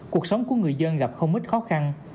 cuộc sống của người dân gặp không ít khó khăn